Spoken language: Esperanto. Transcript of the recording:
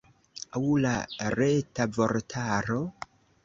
Aŭ la Reta Vortaro?